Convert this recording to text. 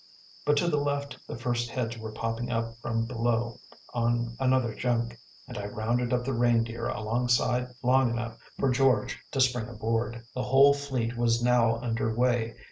But to the left the first heads were popping up from below on another junk, and I rounded up the Reindeer alongside long enough for George to spring aboard. The whole fleet was now under way.